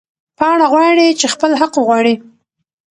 پاڼه غواړې چې خپل حق وغواړي.